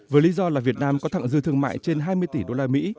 với lý do là việt nam có thẳng dư thương mại trên hai mươi tỷ đô la mỹ